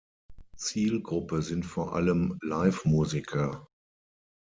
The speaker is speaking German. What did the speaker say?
Zielgruppe sind vor allem Live-Musiker.